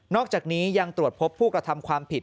อกจากนี้ยังตรวจพบผู้กระทำความผิด